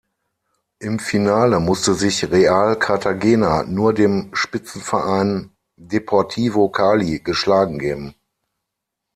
Im Finale musste sich Real Cartagena nur dem Spitzenverein Deportivo Cali geschlagen geben.